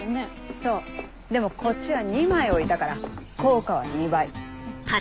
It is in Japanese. そうでもこっちは２枚置いたから効果は２倍。